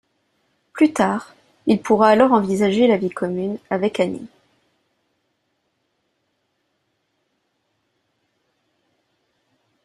Plus tard, il pourra alors envisager la vie commune avec Annie.